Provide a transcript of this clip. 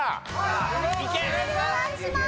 お願いします！